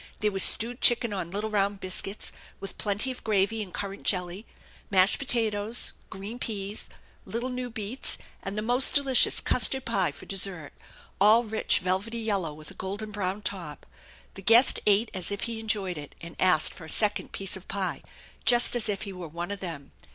There was stewed chicken on little round biscuits, with plenty of gravy and currant jelly, mashed potatoes, green peas, little new beets, and the most delicious custard pie for dessert, all rich, velvety yellow with a golden brown top. The guest ate as if he enjoyed it, and asked for a second piece of pie, just as if he were one of them.